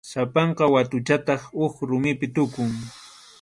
Sapanka watuchataq huk rumipi tukun.